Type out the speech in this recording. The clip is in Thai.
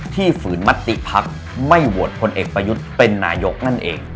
ฝืนมติภักดิ์ไม่โหวตพลเอกประยุทธ์เป็นนายกนั่นเอง